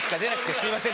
すいません。